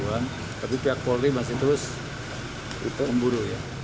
delapan puluh dua an tapi pihak polri masih terus memburu ya